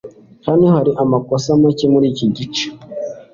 Hano hari amakosa make muriki gice.